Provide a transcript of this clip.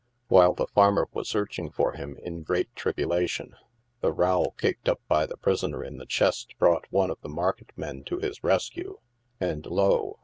While the farmer was searching for him, in great tribulation, the row kicked up by the prisoner in the chest brought one of the market men to his rescue, and, lo